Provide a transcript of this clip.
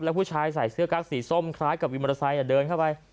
ผู้ชายใส่เสื้อกั๊กสีส้มคล้ายกับวินมอเตอร์ไซค์เดินเข้าไป